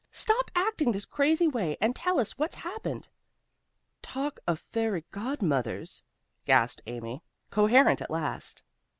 "Stop acting this crazy way, and tell us what's happened." "Talk of fairy godmothers!" gasped Amy, coherent at last.